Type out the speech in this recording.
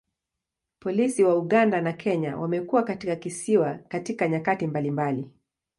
Polisi wa Uganda na Kenya wamekuwa katika kisiwa katika nyakati mbalimbali.